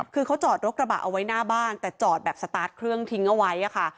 คือเขาจอดรถกระบะเอาไว้หน้าบ้านแต่จอดแบบสตาร์ทเครื่องทิ้งเอาไว้ค่ะ